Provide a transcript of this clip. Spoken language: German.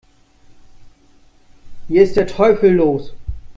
Hier ist der Teufel los!